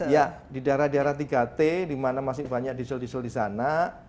iya di daerah daerah tiga t dimana masih banyak diesel diesel di sana